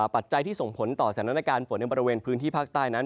ปัจจัยที่ส่งผลต่อสถานการณ์ฝนในบริเวณพื้นที่ภาคใต้นั้น